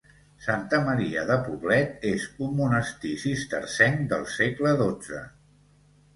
Santa Maria de Poblet és un monestir cistercenc del segle dotze.